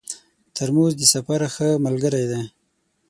ترموز د سفر ښه ملګری دی.